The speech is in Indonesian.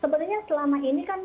sepertinya selama ini kan